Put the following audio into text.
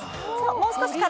もう少し体